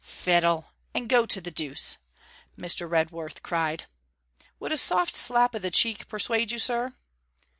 'Fiddle! and go to the deuce!' Mr. Redworth cried. 'Would a soft slap o' the cheek persuade you, sir?'